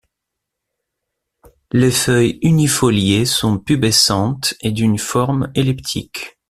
Les feuilles unifoliées sont pubescentes et d'une forme elliptique.